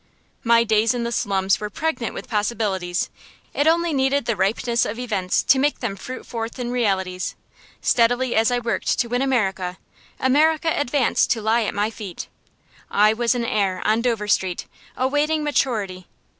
My days in the slums were pregnant with possibilities; it only needed the ripeness of events to make them fruit forth in realities. Steadily as I worked to win America, America advanced to lie at my feet. I was an heir, on Dover Street, awaiting maturity.